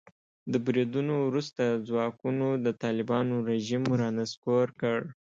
د بریدونو وروسته ځواکونو د طالبانو رژیم را نسکور کړ.